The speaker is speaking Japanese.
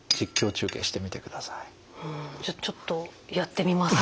うんじゃあちょっとやってみますか。